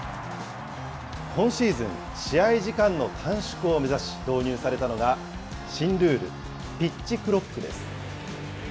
今シーズン、試合時間の短縮を目指し、導入されたのが、新ルール、ピッチクロックです。